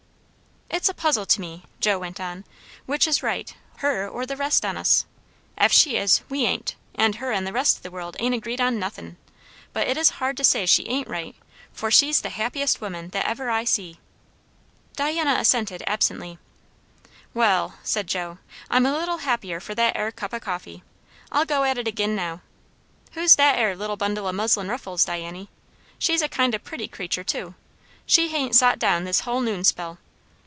"It's a puzzle to me," Joe went on, "which is right, her or the rest on us. Ef she is, we ain't. And her and the rest o' the world ain't agreed on nothin'. But it is hard to say she ain't right, for she's the happiest woman that ever I see." Diana assented absently. "Wall," said Joe, "I'm a little happier for that 'ere cup o' coffee. I'll go at it agin now. Who's that 'ere little bundle o' muslin ruffles, Diany? she's a kind o' pretty creatur', too. She hain't sot down this hull noonspell.